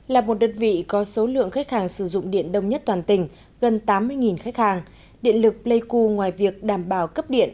là một đơn vị có số lượng khách hàng sử dụng điện đông nhất toàn tỉnh gần tám mươi khách hàng điện lực playco ngoài việc đảm bảo cấp điện